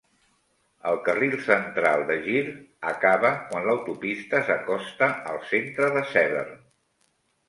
El carril central de gir acaba quan l'autopista s'acosta al centre de Severn.